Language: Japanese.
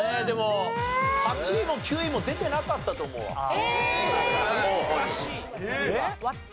でも８位も９位も出てなかったと思うわ。